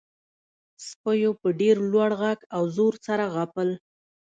سپیو په ډیر لوړ غږ او زور سره غپل